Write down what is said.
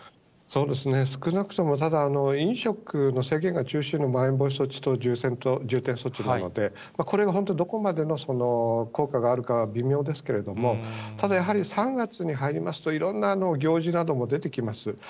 そうですね、少なくともただ、飲食の制限が中心のまん延防止等重点措置なので、これが本当にどこまでの効果があるかは微妙ですけれども、ただやはり、３月に入りますと、いろんな行事なども出てきます。